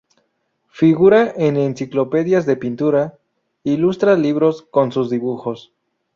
Figura en enciclopedias de pintura, ilustra libros con sus dibujos.